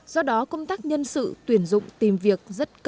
do đó công tác nhân sự tuyển dụng tìm việc rất cần